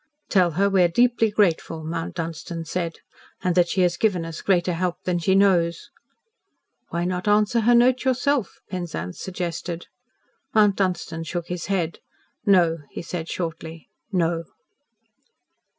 "Tell her we are deeply grateful," said Mount Dunstan, "and that she has given us greater help than she knows." "Why not answer her note yourself?" Penzance suggested. Mount Dunstan shook his head. "No," he said shortly. "No."